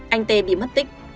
anh t bị mất tích